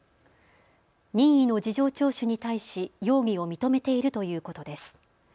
任意の事情聴取に対し容疑を認めているということです。